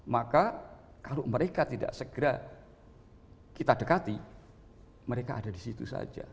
maka kalau mereka tidak segera kita dekati mereka ada di situ saja